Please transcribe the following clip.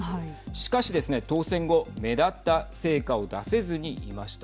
しかしですね当選後目立った成果を出せずにいました。